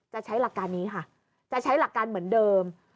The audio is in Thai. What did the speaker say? ใช้หลักการนี้ค่ะจะใช้หลักการเหมือนเดิม